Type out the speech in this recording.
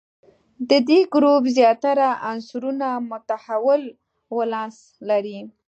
د دې ګروپ زیاتره عنصرونه متحول ولانس لري.